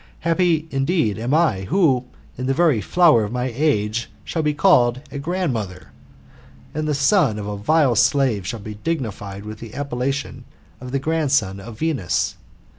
Happy, indeed, am I, who, in the very flower of my age, shall be called a grandmother ! And the son of a vile slave shall be dignified with the appellation of the grandson of Venus!